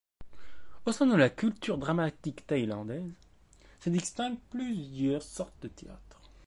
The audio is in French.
Au sein de la culture dramatique thaïlandaise, se distinguent plusieurs sortes de théâtre.